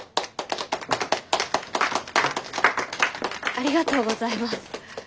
ありがとうございます。